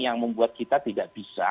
yang membuat kita tidak bisa